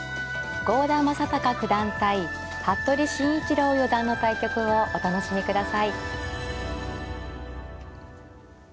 郷田真隆九段対服部慎一郎四段の対局をお楽しみください。